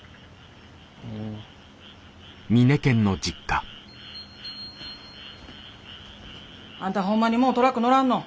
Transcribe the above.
うん。あんたほんまにもうトラック乗らんの？